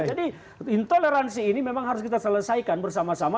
jadi intoleransi ini memang harus kita selesaikan bersama sama